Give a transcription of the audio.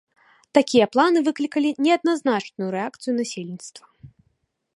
Такія планы выклікалі неадназначную рэакцыю насельніцтва.